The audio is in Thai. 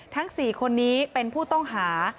ทั้ง๔คนนี้เป็นผู้ต้องหา